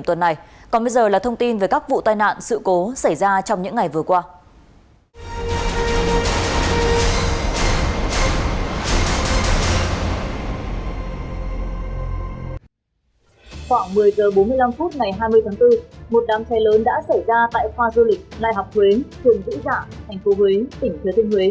trường vĩ dạ thành phố huế tỉnh thừa thinh huế